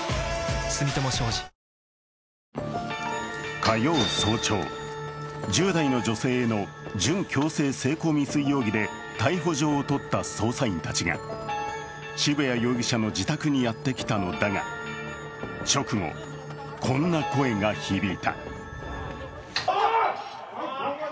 火曜早朝、１０代の女性への準強制性交未遂容疑で逮捕状を取った捜査員たちが渋谷容疑者の自宅にやってきたのだが直後、こんな声が響いた。